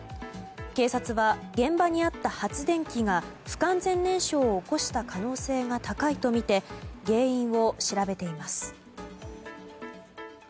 警察は、現場にあった発電機が不完全燃焼を起こした可能性が高いとみて原因を調べています。